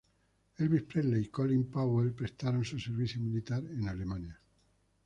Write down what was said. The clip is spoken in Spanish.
Elvis Presley y Colin Powell prestaron su servicio militar en Alemania.